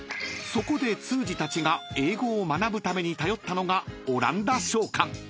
［そこで通詞たちが英語を学ぶために頼ったのがオランダ商館］